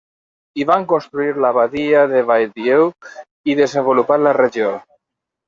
Hi van construir l'abadia de Val-Dieu i desenvolupar la regió.